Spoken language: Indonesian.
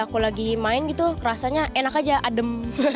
jadi kalau misalnya aku lagi main gitu rasanya enak aja adem